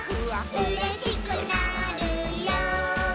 「うれしくなるよ」